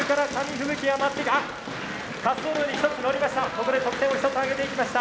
ここで得点を１つ挙げていきました。